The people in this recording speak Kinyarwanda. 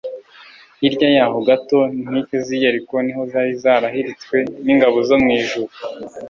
Hirya y’aho gato, inkike z’i Yeriko niho zari zarahiritswe n’ingabo zo mw’ijuru